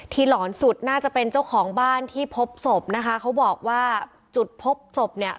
หลอนสุดน่าจะเป็นเจ้าของบ้านที่พบศพนะคะเขาบอกว่าจุดพบศพเนี่ย